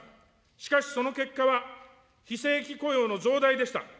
しかしその結果は、非正規雇用の増大でした。